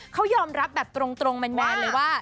เขายอมรับแบบตรงแมนเลยว่า